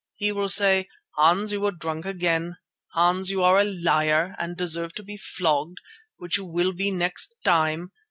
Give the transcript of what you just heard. He will say, 'Hans, you were drunk again. Hans, you are a liar and deserve to be flogged, which you will be next time.